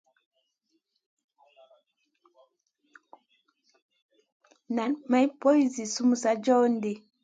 Nan ma poy zi sumun sa joh ɗi.